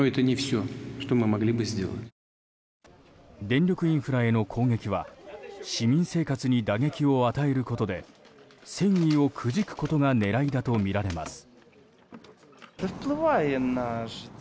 電力インフラへの攻撃は市民生活に打撃を与えることで戦意をくじくことが狙いだとみられます。